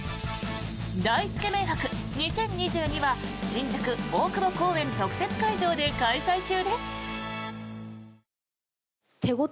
大つけ麺博２０２２は新宿・大久保公園特設会場で開催中です。